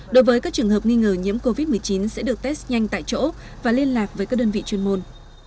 đối với các trường hợp nghi ngờ nhiễm covid một mươi chín sẽ được test nhanh tại chỗ và liên lạc với các đơn vị chuyên môn